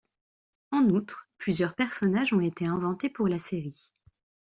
En outre, plusieurs personnages ont été inventés pour la série.